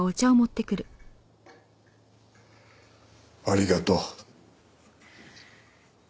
ありがとう。